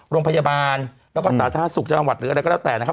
โรงพยาบาลแล้วก็สาธารณสุขจังหวัดหรืออะไรก็แล้วแต่นะครับ